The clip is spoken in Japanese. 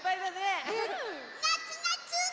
なつなつ。